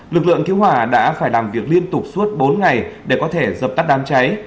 lực lượng cứu hỏa đã phải làm việc liên tục suốt bốn ngày để có thể dập tắt đám cháy